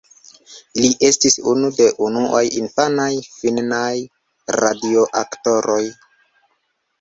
Li estis unu de unuaj infanaj finnaj radioaktoroj.